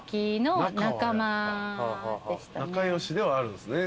仲良しではあるんすね。